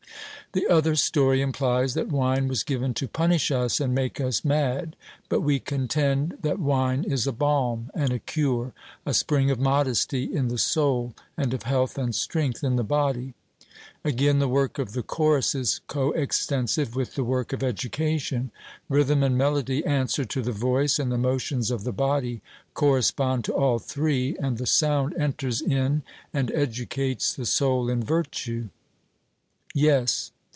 The other story implies that wine was given to punish us and make us mad; but we contend that wine is a balm and a cure; a spring of modesty in the soul, and of health and strength in the body. Again, the work of the chorus is co extensive with the work of education; rhythm and melody answer to the voice, and the motions of the body correspond to all three, and the sound enters in and educates the soul in virtue. 'Yes.'